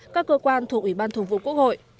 các cơ quan thuộc ủy ban thường vụ quốc hội